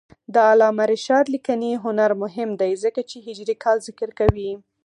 د علامه رشاد لیکنی هنر مهم دی ځکه چې هجري کال ذکر کوي.